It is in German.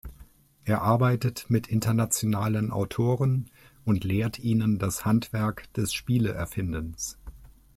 Er arbeitet mit internationalen Autoren und lehrt ihnen das Handwerk des Spiele-Erfindens.